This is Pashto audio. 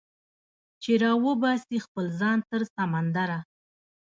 چې راوباسي خپل ځان تر سمندره